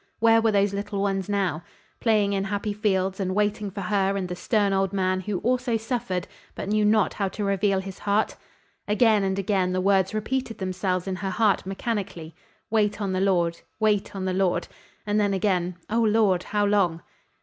Where were those little ones now? Playing in happy fields and waiting for her and the stern old man who also suffered, but knew not how to reveal his heart? Again and again the words repeated themselves in her heart mechanically: "Wait on the Lord Wait on the Lord," and then, again, "Oh, Lord, how long?"